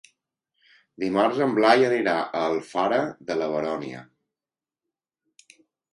Dimarts en Blai anirà a Alfara de la Baronia.